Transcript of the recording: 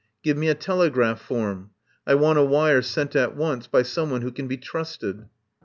"Give me a telegraph form. I want a wire sent at once by someone who can be trusted."